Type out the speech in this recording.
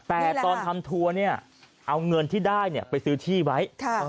แต่ตอนทำทัวร์เนี่ยเอาเงินที่ได้ไปซื้อที่ไว้